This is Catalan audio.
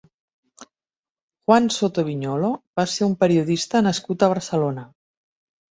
Juan Soto Viñolo va ser un periodista nascut a Barcelona.